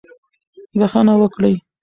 بښنه وکړئ.